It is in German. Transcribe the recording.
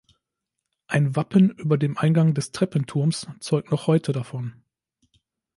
Ein Wappen über dem Eingang des Treppenturms zeugt noch heute davon.